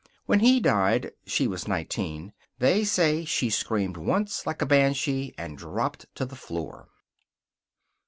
When he died (she was nineteen) they say she screamed once, like a banshee, and dropped to the floor.